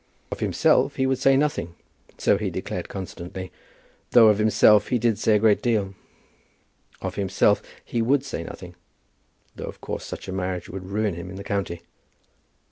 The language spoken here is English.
"Of himself he would say nothing." So he declared constantly, though of himself he did say a great deal. "Of himself he would say nothing, though of course such a marriage would ruin him in the county."